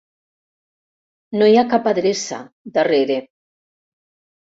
No hi ha cap adreça, darrere.